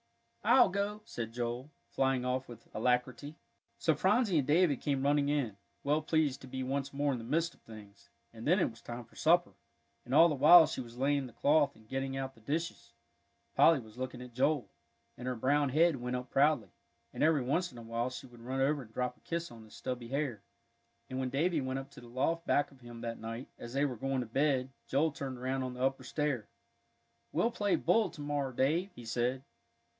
"I'll go," said Joel, flying off with alacrity. So Phronsie and David came running in, well pleased to be once more in the midst of things; and then it was time for supper, and all the while she was laying the cloth and getting out the dishes, Polly was looking at Joel, and her brown head went up proudly, and every once in a while she would run over and drop a kiss on his stubby hair. And when Davie went up to the loft back of him that night, as they were going to bed, Joel turned around on the upper stair. "We'll play bull to morrow, Dave," he said.